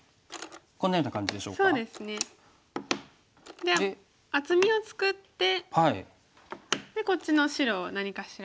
で厚みを作ってこっちの白を何かしら。